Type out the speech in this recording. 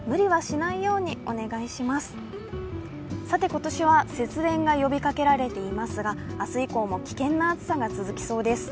今年は節電が呼びかけられていますが、明日以降も危険な暑さが続きそうです。